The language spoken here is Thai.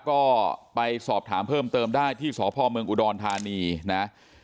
ก็ไปสอบถามเพิ่มเติมได้ที่สพเมืองอุดรธานีนะ